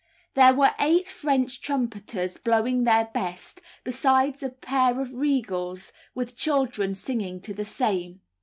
There were eight French trumpeters blowing their best, besides a pair of "regals," with children singing to the same.